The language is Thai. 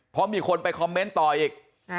เพราะมีคนไปคอมเมนต์ต่ออีก